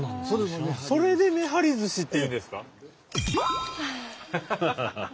それで「めはりずし」っていうんですか！